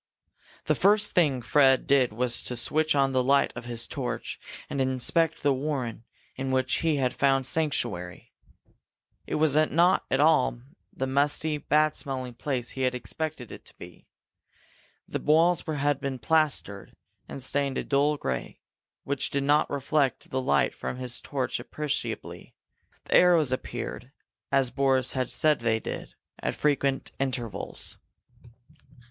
The first thing Fred did was to switch on the light of his torch and inspect the warren in which he had found sanctuary. It was not at all the musty, bad smelling place he had expected it to be. The walls had been plastered and stained a dull grey, which did not reflect the light from his torch appreciably. The arrows appeared, as Boris had said they did, at frequent intervals.